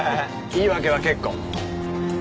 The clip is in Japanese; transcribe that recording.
言い訳は結構。